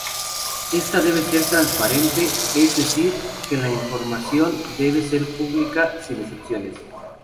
Este debe ser transparente; es decir que la información debe ser pública sin excepciones.